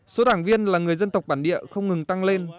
số đảng viên là người dân tộc bản địa không ngừng tăng lên